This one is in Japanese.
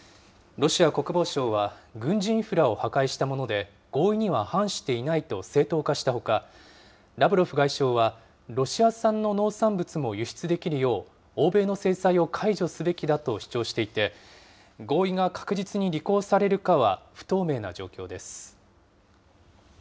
ロシア国防省は、軍事インフラを破壊したもので、合意には反していないと正当化したほか、ラブロフ外相は、ロシア産の農産物も輸出できるよう欧米の制裁を解除すべきだと主張していて、合意が確実に履行されるかは不透明な状況です。